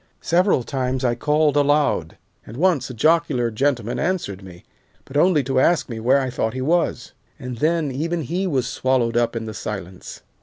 Several times I called aloud, and once a jocular gentleman answered me, but only to ask me where I thought he was, and then even he was swallowed up in the silence.